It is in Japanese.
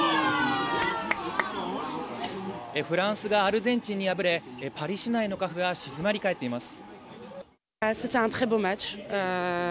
フランスがアルゼンチンに敗れ、パリ市内のカフェは静まり返っています。